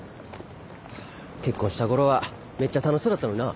結婚したころはめっちゃ楽しそうだったのにな。